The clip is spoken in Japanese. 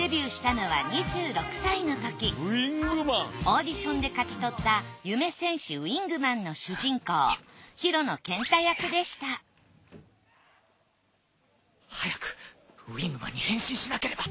オーディションで勝ち取った『夢戦士ウイングマン』の主人公広野健太役でした早くウイングマンに変身しなければ